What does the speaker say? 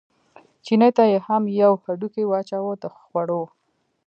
چیني ته یې هم یو هډوکی واچاوه د خوړو.